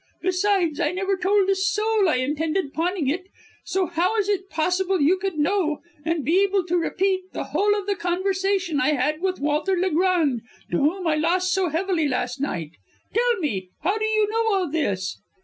Besides, I never told a soul I intended pawning it, so how is it possible you could know and be able to repeat the whole of the conversation I had with Walter Le Grand, to whom I lost so heavily last night? Tell me, how do you know all this?"